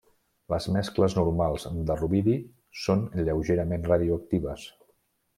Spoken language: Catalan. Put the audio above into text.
Les mescles normals de rubidi són lleugerament radioactives.